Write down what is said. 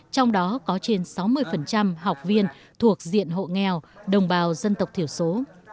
trong đó có trên sáu mươi học viên thuộc diện hộ nghèo đồng bào dân tộc thiểu số